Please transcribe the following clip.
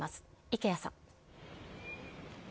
池谷さん。